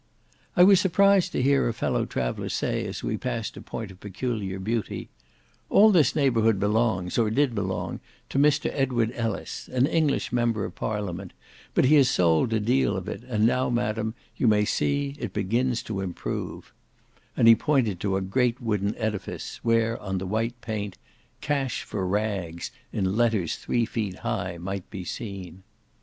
I was surprised to hear a fellow traveller say, as we passed a point of peculiar beauty, "all this neighbourhood belongs, or did belong, to Mr. Edward Ellice, an English Member of Parliament, but he has sold a deal of it, and now, madam, you may see as it begins to improve;" and he pointed to a great wooden edifice, where, on the white paint, "Cash for Rags," in letters three feet high, might be seen.